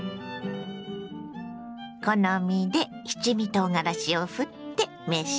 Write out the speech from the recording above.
好みで七味とうがらしをふって召し上がれ。